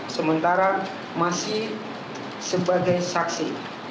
sementara masih sebagai saksi